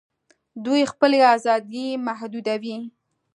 دوی خپلي آزادۍ محدودوي